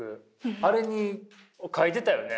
あれに書いてたよね。